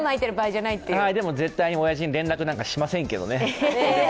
でも絶対、おやじに連絡なんてしませんけどね。